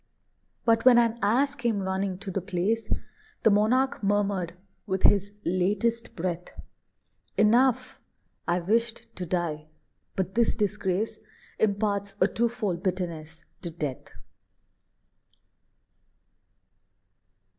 But when an Ass came running to the place, The monarch murmured, with his latest breath, "Enough! I wished to die, but this disgrace Imparts a twofold bitterness to death."